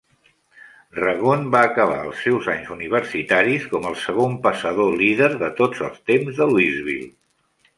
Ragone va acabar els seus anys universitaris com el segon passador líder de tots els temps de Louisville.